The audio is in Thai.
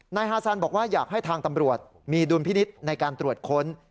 นายฮาซันบอกว่าอยากให้ทางตำรวจมีดุลพินิษฐ์ในการตรวจค้น